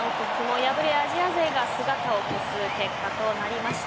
アジア勢が姿を消す結果となりました。